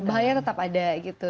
bahaya tetap ada gitu